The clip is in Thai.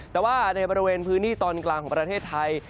แต่ว่าในบริเวณพื้นที่ตอนกลางของประเทศไทย